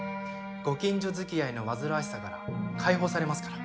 ご近所づきあいの煩わしさから解放されますから。